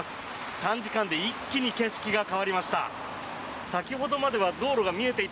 短時間で一気に景色が変わりました。